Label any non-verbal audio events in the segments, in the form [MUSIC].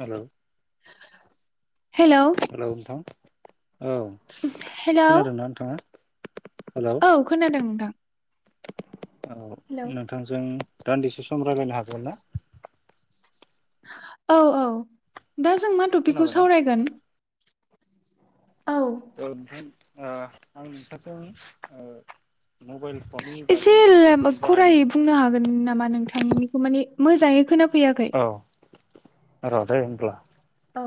Hello hello नोंथां। औ hello खोनादोंना नोंथांङा। औ खोनादों नोंथां। औ नोंथांजों दान्दिसे। सम रायलायनो हागोन ना। औ औ। दा जों मा टपिकखौ खोनाबायना सावरायगोन। [UNINTELLIGIBLE] ओ आं नोंथांजों ओ मबाइल। फननि एसे बागै मबाइल फन खरायै बाहायनायनि बुंनो हागोन नामा नोंथांनिखौ माने मोजाङै खोना फैयाखै। औ [INAUDIBLE] औ।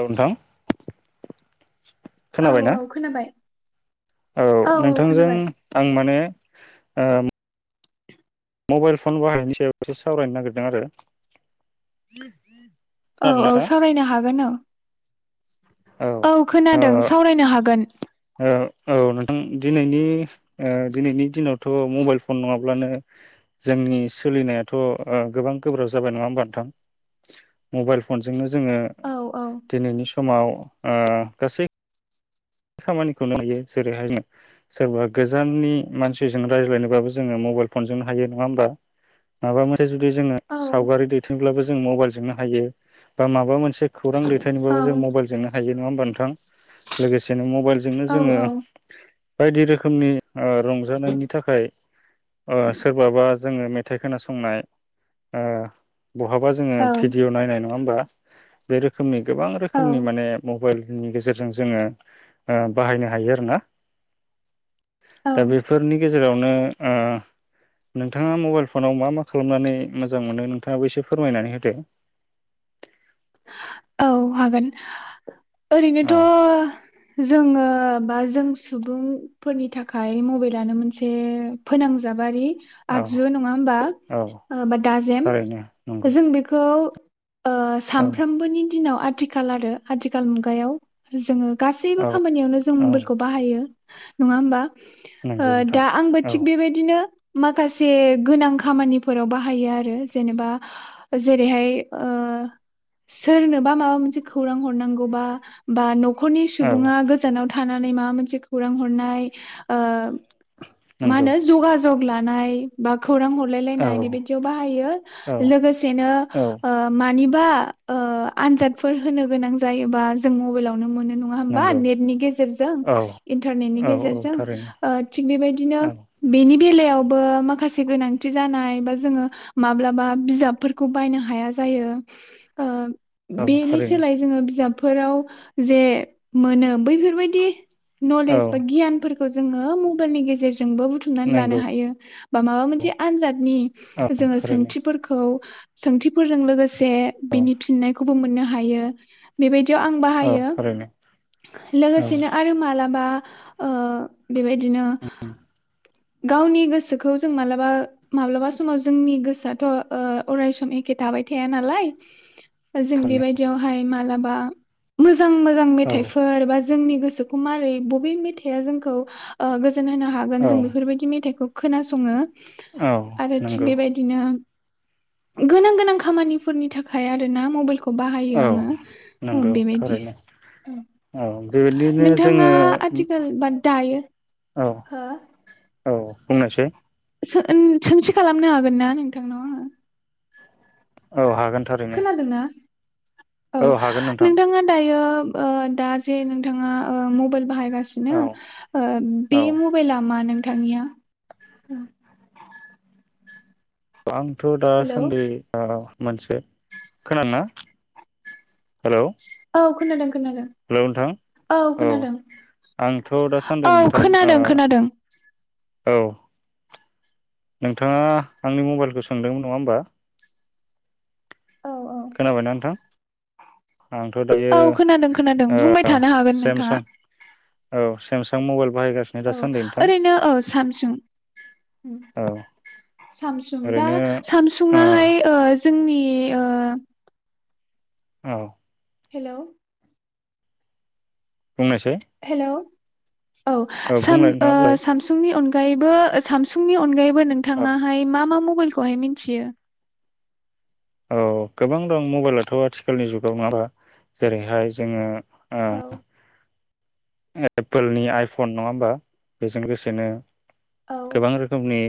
औ नोंथां। औ खोनाबायना औ खोनाबाय। औ नोंथांजों आं माने। ओं। मबाइल फन बाहायनायनि सायावसो सावरायनो नागिरदों आरो। औ खोनादों ना औ नोंथाङा सावरायनो हागोन औ। औ खोनादों सावरायनो हागोन। औ नोंथां दिनैनि दिनैनि दिनावथ' मबाइल फन नङाब्लानो जोंनि सोलिनायाथ' गोबां गोब्राब जाबाय नङा होमबा नोंथां मबाइल फनजोंनो जोङो औ औ दिनैनि सम समाव औ गासै खामानिखौनो हायो जेरैहाय सोरबा गोजाननि मानसिजों रायज्लायनोबाबो जोङो मबाइल फनजोंनो हायो नङा होमबा माबा मोनसे जुदि जोङो औ सावगारि दैथोंब्लाबो जों मबाइलजोंनो हायो माबा मोनसे खौरां दैथायनोबाबो औ जों मबाइजोंनो हायो। नङा होनबा नोंथां लोगोसे। मबाइल। बेजोंनो जोङो। औ बायदि रोखोमनि। रंजानायनि थाखाय सोरबाबा जोङो मेथाइ खोनासंनाय। बहाबा जोङो औ भिडिअ' नाय नङा होमबा। बे रोखोमनि। गोबां रोखोमनि माने मबाइल। नि गेजेरजों जोङो। बाहायनो हायो आरोना। औ दा बेफोरनि गेजेरावनो। नोंथाङा मबाइल फनाव मा मा खालामनानै मोजां मोनो नोंथाङाबो एसे फोरमायनानै होदो। औ हागोन। औ ओरैनोथ'। जोङो बा जों सुबुंफोरनि थाखाय मबाइलानो मोनसे फोनांजाबारि। औ आगजु नङा होमबा औ बा दाजेम थारैनो नंगौ जों बेखौ औ साम नि दिनाव आथिखाल आरो आथिखाल मुगायाव जोङो। गासैबो औ खामानियावनो जों औ मबाइलखौ बाहायो। नङा होमबा। नंगौ नोंथां दा आंबो औ थिग बेबायदिनो। माखासे गोनां खामानिफोराव बाहायो आरो जेनेबा जेरैहाय सोरनोबा माबा मोनसे खौरां हरनांगौबा बा न'खरनि औ सुबुङा गोजानाव थायो। थानानै माबा मोनसे खौरां हरनाय। मा नंगौ होनो जगा जग लानाय बा। खौरां औ हरलायनाय बेबायदियाव बाहायो औ लोगोसेनो औ मानि [INAUDIBLE] आनजादफोर होनो गोनां जायोबा जों मबाइलावनो मोनो नङा होनबा नंगौ नेटनि गेजेरजों औ इन्टारनेटनि औ औ गेजेरजों थारैनो थिक बेबायदिनो। औ बेलायावबो माखासे गोनांथि जानाय बा जोङो माब्लाबा बिजाबफोरखौ बायनो हाया जायो ओं। औ बेनि थारैनो सोलाय जोङो बिजाब फोराव जे मोनो बैफोर बायदि औ न'लेज बा गियान जोङो मबाइलनि गेजेरजों जोंबो बुथुमनानै लानो नंगौ हायो बा माबा मोनसे आनजादनि औ जोङो थारैनो सोंथिफोरखौ सोंथिफोरजों लोगोसे औ बिनि फिननायखौ मोननो हायो बेबायदि। आं औ बाहायो थारैनो औ लोगोसेनो आरो मालाबा ओं बेबायदिनो गावनि गोसोखौ जों मालाबा माब्लाबा समाव जोंनि गोसोआथ' अराय सम एखे थाबाय थाया नालाय। जों थारैनो बेबायदियावहाय मा मालाबा मोजां मोजां औ मेथाइफोर बा जोंनि गोसोखौ मारै बबे मेथाइआ जोंखौ होनो हागोन जों औ बेफोरबायदि मेथाइखौ खोनासङो। औ आरो थिग नंगौ बेबायदिनो। गोनां गोनां खामानिफोरनि थाखाय हाया आरोना मबाइल खौ बाहायो औ आङो ओ नंगौ बेबायदि थारैनो ओं औ बेबायदिनो नोंथाङा जोङो आथिखाल बा दायो औ हो औ बुंनायसै सों सोंथि खालामनो हागोन ना नोंथांनाव आङो। औ हा खोनादोंना? औ हागोन नोंथां नोंथाङा दायो। ओ दा जे नोंथाङा ओ मबइल बाहायगासिनो औ ओ औ बे म'बेला मा नों थांनिया औ आंथ' दासान्दि ओ मोनसे खोना ना हेलौ औ खोनादों खोनादों हेलौ नोंथां औ खोनादों आंथ' दासान्दि औ नोंथां ओ खोनादों खोनादों। औ। नोंथाङा आंनि मबाइलखो सोंदोंमोन नङा होमबा? औ औ खोनाबायना नोंथां आंथ' दायो औ खोनादों खोनादों बुंबाय ओ थानो हागोन नोंथाङा सेमसां औ सेमसां मबाइल बाहायगासिनो औ दासान्दि नोंथां ओरैनो ओ सामसुं उम औ सामसुं दा ओरैनो ओ सामसुआहाय ओ जोंनि ओ औ हेलौ बुंनायसाय हेलौ औ साम बुंलाय ओ नङा बुंलाय सामसुंनि अन गायैबो सामसुंनि अनगायै बो औ नोंथाङाहाय मा मा म बेलखौहाय मिनथियो? औ गोबां दं मबाइलाथ' आथिखालनि जुगाव नङाबा? जेरैहाय जोङो ओ औ एप्पोलनि आइफन नङा होमबा बेजों लोगोसेनो गोबां रोखोमनि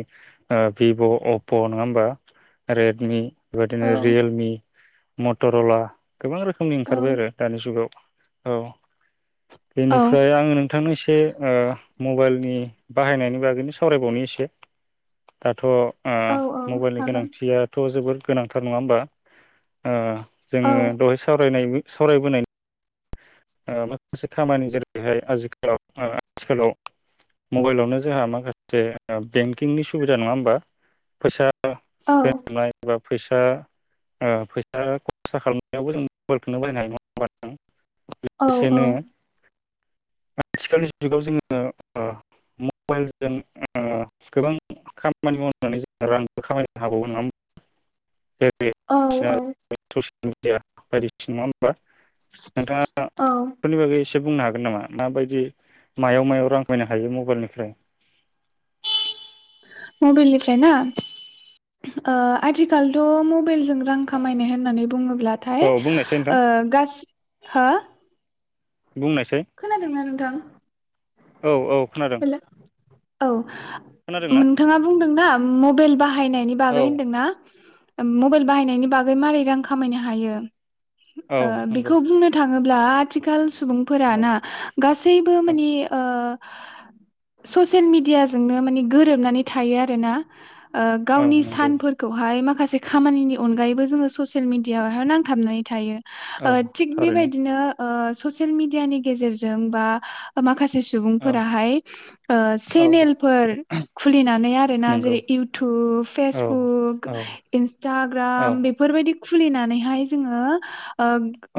ओ भिभ', अप्प' नङा होमबा? रेडमि, बेबायदिनो औ रियेलमि, मटर'ला, गोबां रोखोमनि औ ओंखारबाय आरो दानि जुगाव। औ औ बेनिफ्राय आं नोंथांनो एसे ओ मबाइलनि बाहायनायनि बागैनो सावरायबावनो एसे दाथ' आ औ औ मबाइलनि हागोन गोनांथियाथ' जोबोर गोनांथार नङा होमबा? ओ औ जोङो दहाय सावरायनायनि सावरायबोनाय‌ ओ माखासे खामानि जेरैहाय आजिखालाव आथिखालाव मबाइलावनो जोंहा माखासे बेंकिंनि सुबिदा नङा होमबा? फैसा औ [UNINTELLIGIBLE] फैसा ओ फैसा खरसा खालामनायावबो जों मबाइलखौनो बाहायनो हायो नङा होमबा नोंथां? औ औ लोगोसेनो आथिखालनि जुगाव जोङो ओ मबाइलजों ओ गोबां खामानि मावनानै जों रांबो खामायनो हाबावो नङा होनबा? [UNINTELLIGIBLE] औ मिडिया बायदिसिना [UNINTELLIGIBLE] बा नोंथाङा औ बेफोरनि बागै एसे बुंनो हागोन नामा? माबायदि मायाव मायाव रां खामायनो हायो मबाइलनिफ्राय? मबाइलनिफ्राय ना ओ आथिखालथ' म मबेलजों रां खामायनाय होननानै बुङोब्लाथाय औ बुंनायसै नोंथां ओ गास हो बुंनायसाय। थां औ औ। खोनादों। औ खोनादोंना नोंथाङा बुंदों ना? उम मबाइल बाह बाहायनायनि बागै औ होनदोंना? ओम मबाइल बाहायनायनि बागै मारै रां खामायनो हायो। औ ओ नंगौ बेखौ बुंनो थाङोब ब्ला आथिखाल सुबुंफोरा औ ना गासैबो औ माने ओ ससियेल मिडियाजोंनो माने गोरोबनानै थायो आरो ना ओ औ गावनि नंगौ सानफोरखौहाय माखासे खामानिनि अनगायैबो जोङो ससियेल मिडियायावहाय नांथाबनानै थायो। ओ औ थिग थारैनो बेबायदिनो ओ ससेल मिदियानि गेजेरजों बा ओ माखासे से औ सुबुंफोराहाय ओ औ सेनेलफोर खुलिनानै आरोना नंगौ जेरै इउथुब, औ फेसबुक, औ औ इन्सटाग्राम बेफोरबायदि खुलिनानैहाय जोङो ओ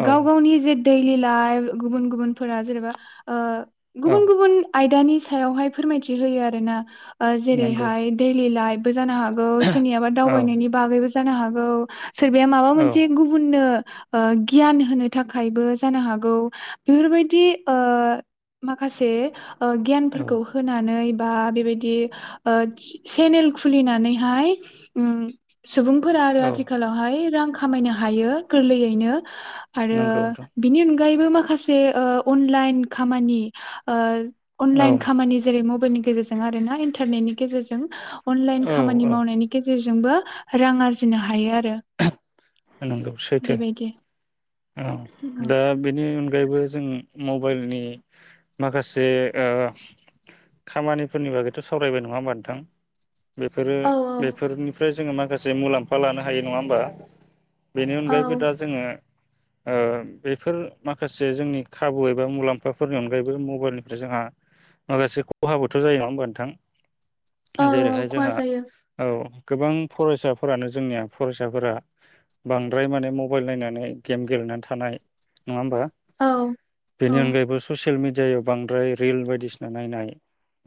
औ गाव गावनि जे देइलि लाइफ गुबुन गुबुनफोरा जेरेबा ओ औ गुबुन गुबुन आयदानि सायावहाय फोरमायथि होयो आरोना। ओ नंगौ जेरैहाय देइलि लाइफबो जानो हागौ सोरनियाबा औ दावबायनायनि बागैबो जानो हागौ। सोरबाया माबा औ मोनसे गुबुननो ओ गियान होनो थाखायबो जानो हागौ बेफोरबायदि ओ माखासे ओ गियान औ फोरखौ होनानै बा बेबायदि ओ से सेनेल खुलिनानैहाय उम सुबुंफोरा आरो औ आथिखालावहाय रां खामायनो हायो गोरलैयैनो।। आरो नंगौ नोंथां बिनि अ नगायैबो माखासे ओ अनलाइन खामानि ओ औ। अनलाइन खामानि जेरै मबाइलनि गेजेरजों आरो ना इन्थारनेटनि गेजेरजों अनलाइन औ खामानि औ मावनायनि गेजेर जोंबो रां आरजिनो हायो आ नंगौ सैथो। बेबायदि औ दा बिनि अनगायैबो जों मबाइलनि माखासे ओ खामानिफोरनि बागैथ' सावरायबाय नङा होमबा नोंथां? बेफोरो औ बेफोरनिफ्राय जोङो माखासे मुलाम्फा लानो हायो नङा होमबा? बेनि औ अनगायैबो दा जोङो ओ बेफोर माखासे जोंनि खाबु एबा मुलाम्फाफोरनि अनगायैबो मबाइलनिफ्राय जोंहा माखासे खहाबोथ जायो नङा होमबा नोंथां? औ औ जेरैहाय खहा जोंहा जायो औ। गोबां फरायसाफोरानो जोंनिया फरायसाफोरा बांद्राय माने मबाइल नायनानै गेम गेलेनानै थानाय नङा होमबा औ औ बेनि अनगायैबो ससियेल मि जायाव बांद्राय रिल बायदिसिना नायनाय।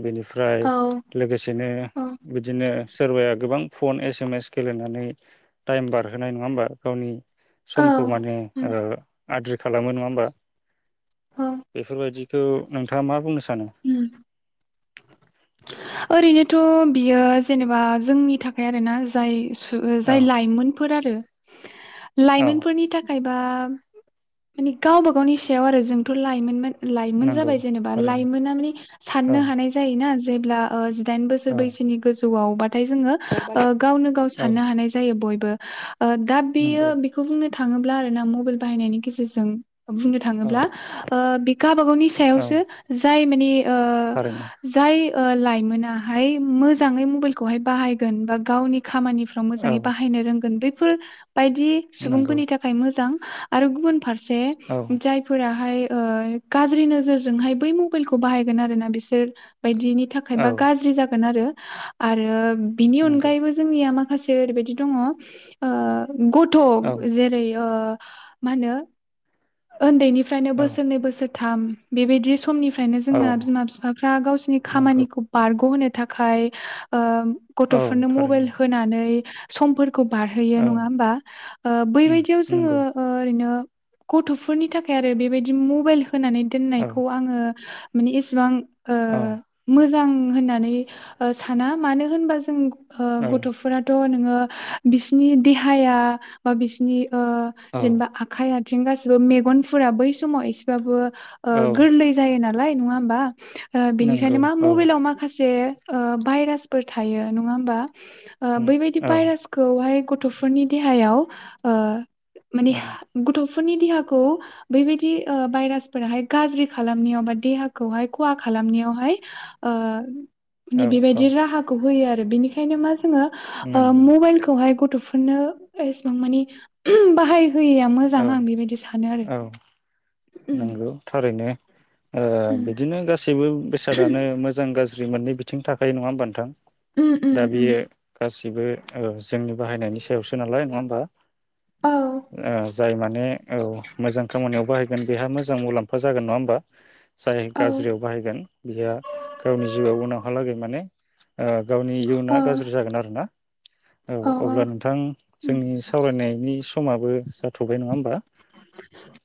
बेनिफ्राय औ लोगोसेनो बिदिनो सोरबाया गोबां फन एस एम एस गेलेनानै टाइम बारहोनाय नङा होमबा? गावनि औ सम खौ माने उम ओ आद्रि खालामो नङा होमबा? औ बेफोरबायदि खौ नोंथाङा मा बुंनो सानो उम आरैनो थ'बियो जेनेबा जोंनि थाखाय आरोना जाय औ जाय लाइमोन फोर आरो औ लाइमोनफोरनि थाखाय बा मानि गावबा-गावनि सायाव आरो जोंथ' लायमोनमोन। लाइमोन नंगौ जाबाय जेनेबा थारैनो लाइमोना मानि औ साननो हानाय जायोना। जेब्ला ओ- दाइन बोसोर औ बैसोनि गोजौआवबाथाय जोङो ओ गावनो-गाव औ साननो हानाय जायो बयबो। ओ दा बेयो नंगौ बेखौ बुंनो थां- थाङोब्ला आरो ना मबाइल बाहायनायनि गे - रजों बुंनो औ थाङोब्ला ओ बि गाबागावनि औ सायावसो जाय माने ओ थारैनो जाय। लाइमोनाहाय मोजाङै मबाइलखौहाय बाहायगोन बा गावनि खामानिफ्राव औ मोजाङै बाहायनो रोंगोन बे- फोर- बायदि नंगौ सुबुंफोरनि थाखाय मोजां। आरो गुबुन- [UNINTELLIGIBLE] औ जायफोराहाय ओ गाज्रि नोजोरजोंहाय बै मबाइलखौ बाहायगोन आरो ना बिसोर। बायदिनि औ थाखायबा गाज्रि जागोन आरो आरो बेनि नंगौ अनगायैबो जोंनिया मा - माखासे ओरैबायदि दङ ओ गथ' औ जेरै ओ मा होनो उन्दैनि फ्रायनो औ बोसोरनै बोसोरथाम बेबायदि समनि फ्रायनो औ जोंना बिमा बिफाफ्रा गावसिनि नंगौ खामानिखौ बारग'होनो- थाखाय ओ औ गथ'फोरनो थारैनो मबाइल होनानै। समफोर- खौ औ बारहोयो नङा होमबा उम बैबायदियाव जोङो नंगौ ओरैनो गथ'फोरनि थाखाय आरो बेबायदि मबाइल होनानै औ दोननायखौ आङो माने इसेबां ओ औ मोजां होननानै साना मानो होनबा जों अ औ गथ'फोराथ' ओ बिसिनि देहाया बा बिसिनि ओ औ जेनेबा आखाइ आथिं गाैबो मेगनफोरा बै समाव एसेबाबो ओ औ गोरलै जायो। नालाय नङा होमबा नंगौ बिनिखायनो मा औ मबाइलाव माखासे जे भाइरासफोर थायो नङा होमबा ओ उम बेबायदि औ भाइरासखौहाय गथ'फोरनि देहायाव ओ माने उम गथ' बे फोरनि देहाखौ बेबायदि ओ भाइरास फोराहाय गाज्रि खालामनायाव बा देहाखौहाय खहा खालामनायावहाय औ बेबायदि राहाखौ होयो आरो। द बेनिखायनो मा ओ नंगौ मबाइलखौहाय ग गथ'फोरनो एसेबां मानि बाहाय होया। मोजां औ आं बेबायदि सानो आरो। औ उम नंगौ थारैनो बिदिनो गासैबो बेसादानो मोजां गाज्रि गाज्रि मोनै बिथिं थाखायो नङा होमबा नोंथां उम उम उम गसिबो ओ जोंनि बाहायनायनि सायावसो नालाय नङा होमबा औ ओ जाय माने औ मोजां खामानियाव बाहाय बेहा मोजां मुलाम्फा जागोन नङा होन बा जाय औ गाज्रियाव बाहायगोन बिहा गावनि जिउआव उनावहालागै माने गावनि औ इयुनाआ गाज्रि जागोन आरो ना औ अब्ला नोंथां उम जोंनि सावरायनायनि समाबो जाथ'बाय नङा होमबा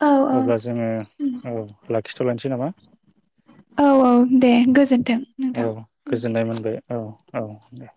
औ औ अब्ला जोङो उम औ लाखिथ'लायनोसै नामा औ औ दे गोजोन औ गोजोननाय मोनबाय। औ औ दे।